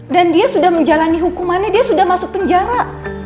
dan dia sudah menjalani hukumannya dia sudah masuk penjara